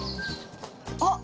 あっ！